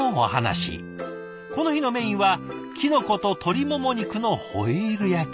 この日のメインはキノコと鶏もも肉のホイル焼き。